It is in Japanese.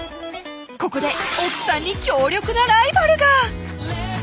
ここで奥さんに強力なライバルが！